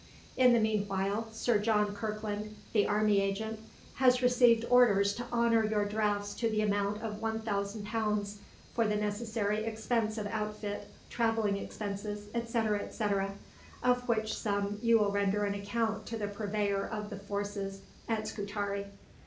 In the meanwhile Sir John Kirkland, the Army Agent, has received orders to honor your drafts to the amount of One Thousand Pounds for the necessary expense of outfit, travelling expenses, &c., &c., of which sum you will render an account to the Purveyor of the Forces at Scutari.